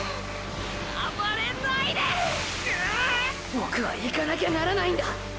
ボクはいかなきゃならないんだ！！